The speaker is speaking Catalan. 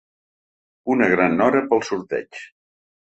Una gran hora pel sorteig.